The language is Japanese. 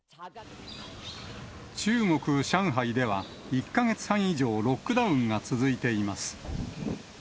中国・上海では、１か月半以上、ロックダウンが続いています。